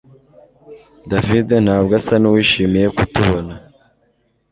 David ntabwo asa nuwishimiye kutubona